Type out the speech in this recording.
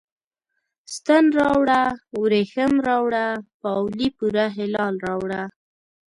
ستن راوړه، وریښم راوړه، پاولي پوره هلال راوړه